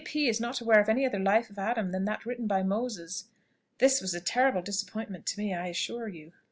P. is not aware of any other life of Adam than that written by Moses.' This was a terrible disappointment to me, I assure you."